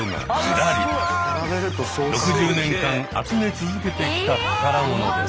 ６０年間集め続けてきた宝物です。